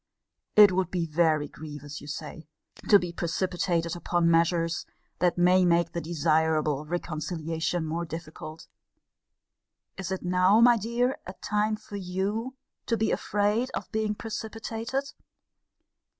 It would be very grievous, you say, to be precipitated upon measures that may make the desirable reconciliation more difficult. Is it now, my dear, a time for you to be afraid of being precipitated?